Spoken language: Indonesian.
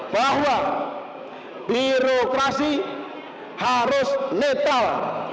bahwa birokrasi harus netral